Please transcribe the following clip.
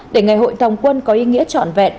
để ngày hội tòng quân có ý nghĩa trọn vẹn